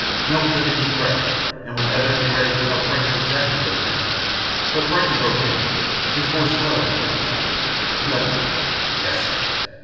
Milt took a deep breath and was evidently ready to tell Frankie exactly what he meant. But Frankie broke in, his voice low and tense. "Milt " "Yes?"